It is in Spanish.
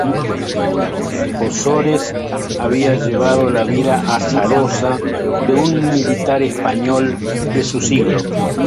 Osores había llevado la vida azarosa de un militar español de su siglo.